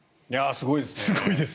すごいですね。